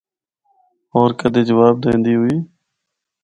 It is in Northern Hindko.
ہور کدرے جواب دیندی ہوئی۔